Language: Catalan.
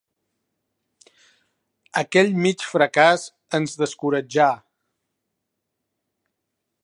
Aquell mig fracàs ens descoratjà.